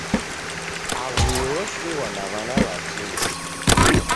Aw'uye osighwa na w'ana w'atini.